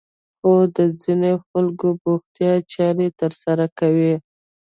خو د ځينې خلکو بوختيا چارې ترسره کوي.